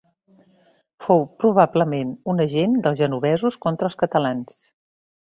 Fou probablement un agent dels genovesos contra els catalans.